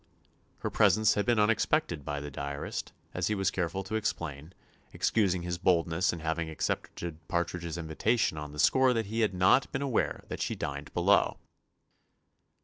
Her presence had been unexpected by the diarist, as he was careful to explain, excusing his boldness in having accepted Partridge's invitation on the score that he had not been aware that she dined below.